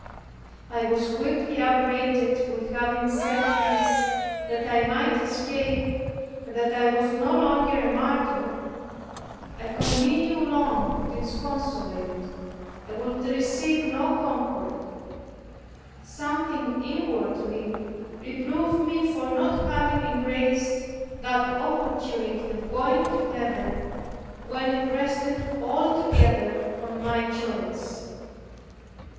I was quickly upbraided with having said this that I might escape, and that I was no longer a martyr. I continued long disconsolate, and would receive no comfort; something inwardly reproved me, for not having embraced that opportunity of going to Heaven, when it rested altogether on my own choice.